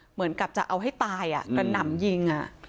เหมือนกับจะเอาให้ตายกระหน่ำยิง